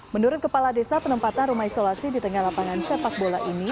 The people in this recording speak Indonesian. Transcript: menurut kepala desa penempatan rumah isolasi di tengah lapangan sepak bola ini